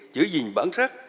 giữ gìn bản sắc